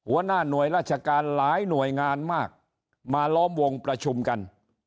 หัวหน้าหน่วยราชการหลายหน่วยงานมากมาล้อมวงประชุมกัน